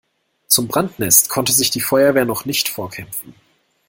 Zum Brandnest konnte sich die Feuerwehr noch nicht vorkämpfen.